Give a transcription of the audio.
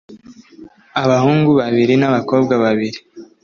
abahungu babiri n’abakobwa babiri